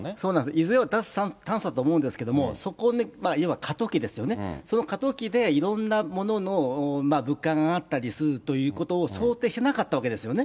いずれは脱炭素だと思うんですけど、そこの過渡期ですよね、その過渡期でいろんなものの物価が上がったりするということを想定していなかったわけですよね。